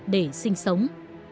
để sinh sống